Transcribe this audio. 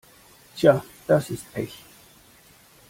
Tja, das ist Pech.